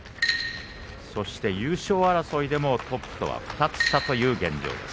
そして優勝争いでもトップとは２つ差という現状です。